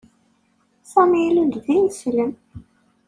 Sami ilul-d d ineslem.